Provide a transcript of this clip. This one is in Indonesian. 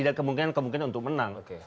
dan kemungkinan untuk menang